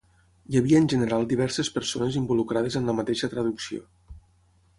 Hi havia en general diverses persones involucrades en la mateixa traducció.